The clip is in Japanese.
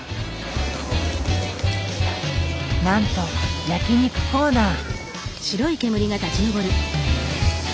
なんと焼き肉コーナー。